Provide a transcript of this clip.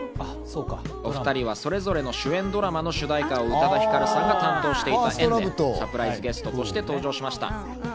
お２人はそれぞれの主演ドラマの主題歌を宇多田ヒカルさんが担当していた縁で、サプライズゲストとして登場しました。